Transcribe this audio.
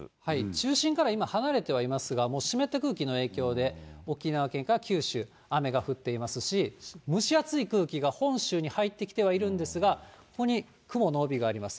中心から今、離れてはいますが、もう湿った空気の影響で、沖縄県から九州、雨が降っていますし、蒸し暑い空気が本州に入ってきてはいるんですが、ここに雲の帯があります。